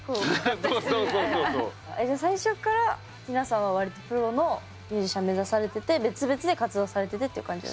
えじゃあ最初から皆さんは割とプロのミュージシャン目指されてて別々で活動されててっていう感じ？